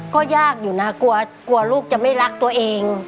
ก็ยากอยู่นะกลัวลูกจะไม่รักตัวเอง